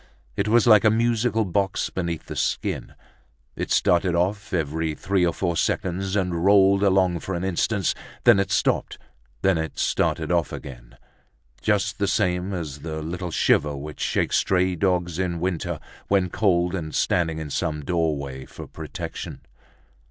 It was like a musical box beneath the skin; it started off every three or four seconds and rolled along for an instant; then it stopped and then it started off again, just the same as the little shiver which shakes stray dogs in winter, when cold and standing in some doorway for protection.